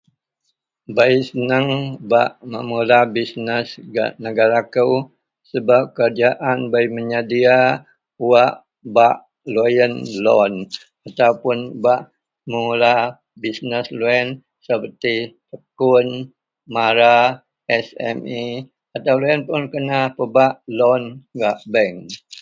Binatang wak niman dalam masyarakat melo sapik siaw sabung siaw bak kan.munda wak kei wakan dagen gu, un lah agie